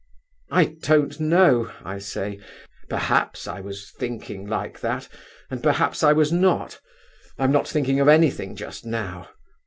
'I don't know,' I say, 'perhaps I was thinking like that, and perhaps I was not. I'm not thinking of anything just now.